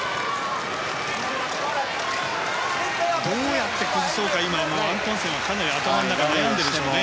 どうやって崩そうか今、アントンセンはかなり頭の中で悩んでいるでしょうね。